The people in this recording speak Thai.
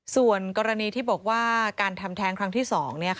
ส่วนกรณีที่บอกว่าการทำแท้งครั้งที่๒